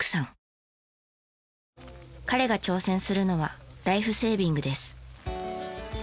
彼が挑戦するのはライフセービングです。